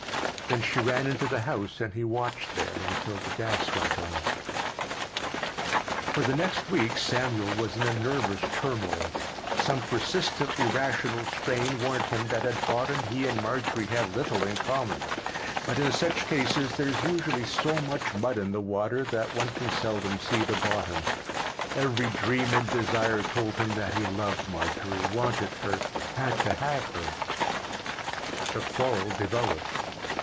Then she ran into the house and he watched there until the gas went on. For the next week Samuel was in a nervous turmoil. Some persistently rational strain warned him that at bottom he and Marjorie had little in common, but in such cases there is usually so much mud in the water that one can seldom see to the bottom. Every dream and desire told him that he loved Marjorie, wanted her, had to have her. The quarrel developed.